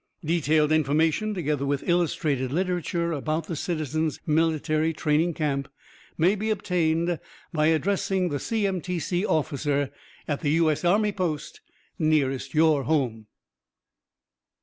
Detailed information, together with illustrated literature about the Citizens' Military Training Camp, may be obtained by addressing the CMTC Officer at the U.S. Army post nearest your home.